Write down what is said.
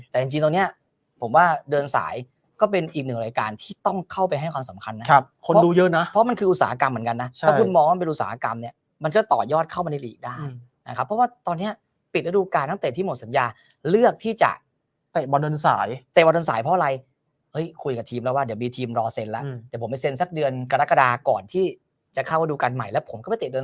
แต่จริงตรงเนี้ยผมว่าเดินสายก็เป็นอีกหนึ่งรายการที่ต้องเข้าไปให้ความสำคัญนะครับคนดูเยอะนะเพราะมันคืออุตสาหกรรมเหมือนกันนะถ้าคุณมองว่ามันเป็นอุตสาหกรรมเนี้ยมันก็ต่อยอดเข้าบรรณีหรี่ได้นะครับเพราะว่าตอนเนี้ยปิดระดูกการตั้งแต่ที่หมดสัญญาเลือกที่จะเตะวันเดินสายเตะวันเดินสายเพราะอะไร